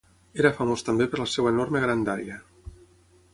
Era famós també per la seva enorme grandària.